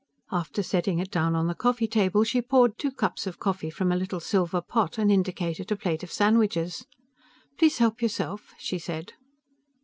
After setting it down on the coffee table, she poured two cups of coffee from a little silver pot and indicated a plate of sandwiches. "Please help yourself," she said.